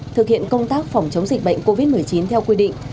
lực lượng cảnh sát giao thông chịu trách nhiệm dẫn đường cho người đi xe máy